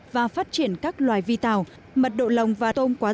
và phát triển các loài vi tào mật độ lồng và tôm quá dày